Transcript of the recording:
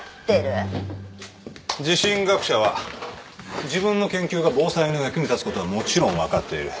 地震学者は自分の研究が防災の役に立つことはもちろん分かっている。